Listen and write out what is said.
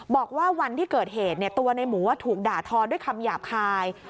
บอกว่าวันที่เกิดเหตุตัวในหมูถูกด่าทอด้วยคำหยาบคาย